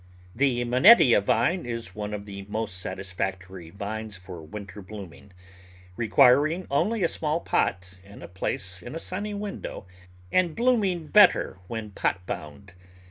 The Manettia Vine is one of the most satisfactory vines for winter blooming, requiring only a small pot and a place in a sunny window, and blooming better when pot bound.